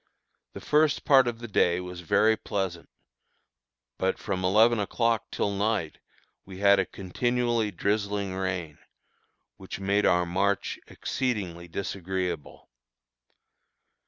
The first part of the day was very pleasant, but from eleven o'clock till night we had a continually drizzling rain, which made our march exceedingly disagreeable.